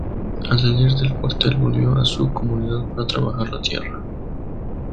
Al salir del cuartel volvió a su comunidad para trabajar la tierra.